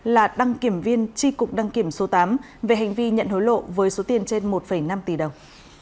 là đăng kiểm viên tri cục đăng kiểm số tám về hành vi nhận hối lộ với số tiền trên một năm tỷ đồng